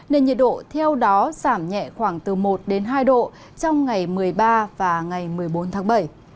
nên nhiệt độ theo đó giảm nhẹ khoảng từ một đến hai độ trong ngày một mươi ba và ngày một mươi bốn tháng bảy